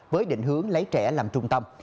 với định hướng lấy trẻ làm trung tâm